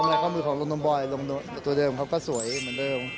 มีข้อมือนี่ครับ